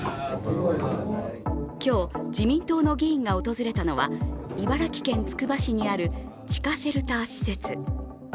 今日、自民党の議員が訪れたのは茨城県つくば市にある地下シェルター施設。